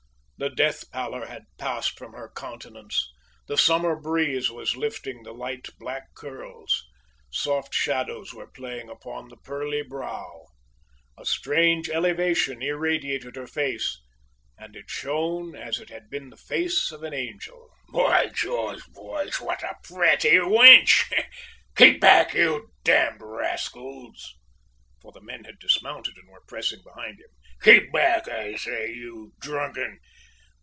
The death pallor had passed from her countenance the summer breeze was lifting the light black curls soft shadows were playing upon the pearly brow a strange elevation irradiated her face, and it "shone as it had been the face of an angel." "By George! boys, what a pretty wench! Keep back, you d d rascals!" (for the men had dismounted and were pressing behind him) "keep back, I say, you drunken